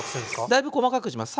だいぶ細かくします。